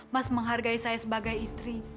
mas menghargai saya sebagai istri